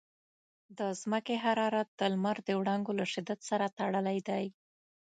د ځمکې حرارت د لمر د وړانګو له شدت سره تړلی دی.